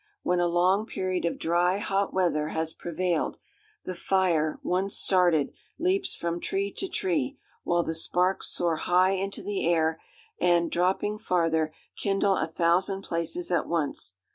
When a long period of dry, hot weather has prevailed, the fire, once started, leaps from tree to tree, while the sparks soar high into the air and, dropping farther, kindle a thousand places at once.